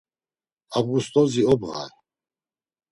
Abğust̆ozi obğay.